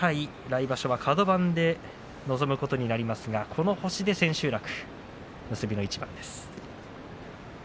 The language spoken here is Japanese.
来場所はカド番で臨むことになりますがこの星で千秋楽、結びの一番です。